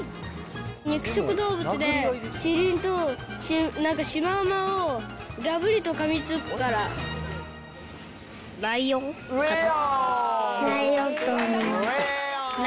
肉食動物で、キリンと、なんかシマウマをがぶりとかみつくかライオンかな。